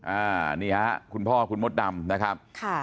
อ่าเนี่ยคุณพ่อคุณมดดำนะครับ